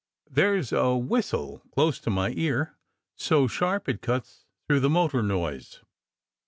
There s a whistle close to my ear, so sharp it cuts through the motor noise."